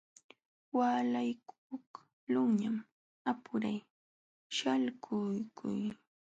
Waalaykuqlunñam apuray shalkukuy.